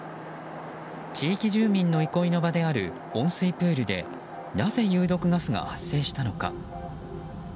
地域住民の憩いの場である温水プールでなぜ有毒ガスが発生したのか。